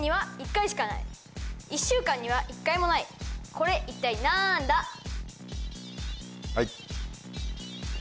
これ一体なんだ？え？